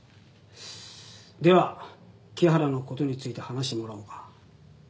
では木原の事について話してもらおうか。